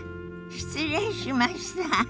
失礼しました。